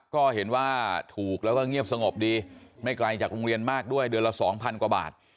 ก็เห็นว่าถูกแล้วก็เงียบสงบดีไม่ไกลจากโรงเรียนมากด้วยเดือนละสองพันกว่าบาท